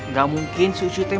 gak mungkin si ucuy tem